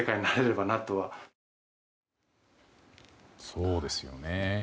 そうですよね。